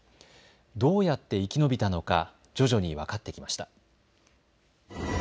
どうやって生き延びたのか徐々に分かってきました。